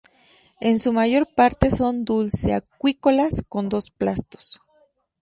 En su mayor parte son dulceacuícolas con dos plastos.